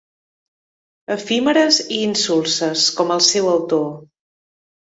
Efímeres i insulses, com el seu autor.